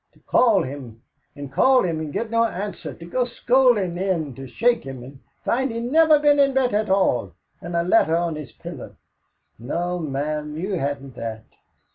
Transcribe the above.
To call him, and call him and get no answer, to go scoldin' in to shake him and find he'd niver been in the bed at all, and a letter on his pillow no, ma'am, you hadn't that.